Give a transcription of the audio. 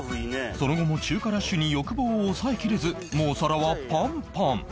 その後も中華ラッシュに欲望を抑えきれずもう皿はパンパン